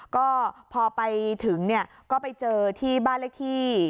ก็พอไปถึงก็ไปเจอที่บ้านเล็กที่